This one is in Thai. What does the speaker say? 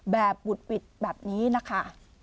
แบบบุดหวิดแบบนี้นะคะ